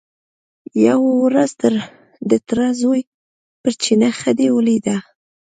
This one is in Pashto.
یوه ورځ د تره زوی پر چینه خدۍ ولیده.